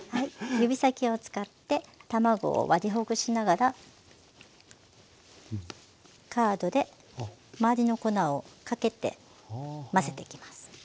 指先を使って卵を割りほぐしながらカードで周りの粉をかけて混ぜていきます。